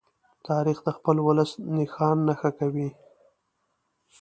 تاریخ د خپل ولس نښان نښه کوي.